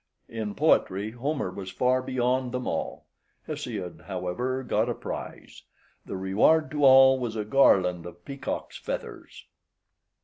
In poetry Homer was far beyond them all; Hesiod, however, got a prize. The reward to all was a garland of peacock's feathers.